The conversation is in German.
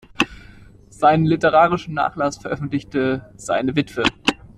Seinen literarischen Nachlass veröffentlichte seine Witwe.